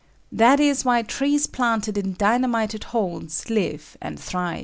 That is why trees planted in dynamited holes live and thrive.